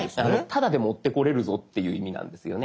「タダで持ってこれるぞ」っていう意味なんですよね。